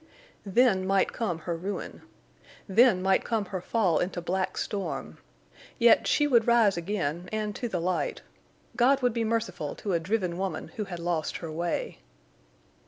Then might come her ruin. Then might come her fall into black storm. Yet she would rise again, and to the light. God would be merciful to a driven woman who had lost her way.